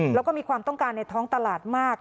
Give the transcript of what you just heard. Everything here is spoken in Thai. แล้วก็มีความต้องการในท้องตลาดมาก